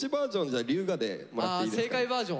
あ正解バージョン。